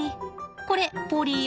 これポリー